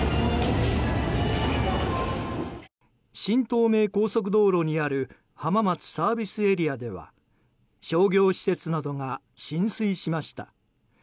新東名高速道路にある浜松ＳＡでは商業施設などが浸水しました。